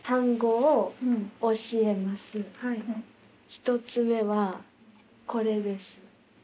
１つ目はこれです。